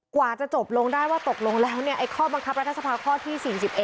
กว่าจะจบลงได้ว่าตกลงแล้วข้อบังคับรัฐสภาข้อที่๔๑